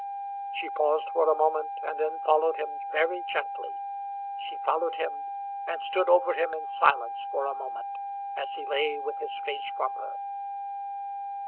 She paused for a moment and then followed him very gently. She followed him and stood over him in silence for a moment, as he lay with his face from her.